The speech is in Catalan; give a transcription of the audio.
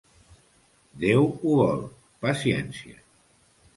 Déu ho vol, paciència.